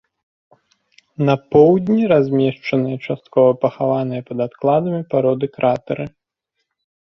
На поўдні размешчаныя часткова пахаваныя пад адкладамі пароды кратэры.